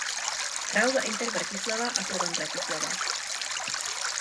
Hrál za Inter Bratislava a Slovan Bratislava.